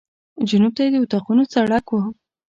جنوب ته یې د اطاقونو ته سړک و.